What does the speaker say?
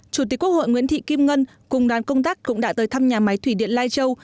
chủ tịch quốc hội nguyễn thị kim ngân cùng đoàn công tác cũng đã tới thăm nhà máy thủy điện lai châu